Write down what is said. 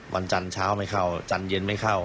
วันจันทร์เช้าไม่เข้าจันทร์เย็นไม่เข้า